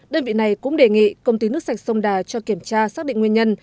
đơn vị này cũng đề nghị công ty nước sạch sông đà cho kiểm tra xác định nguyên nhân